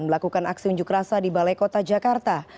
melakukan aksi unjuk rasa di balai kota jakarta